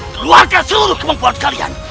keluarga seluruh kemampuan sekalian